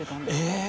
え？